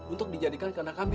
untuk dijadikan kanakambi